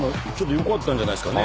良かったんじゃないですかね。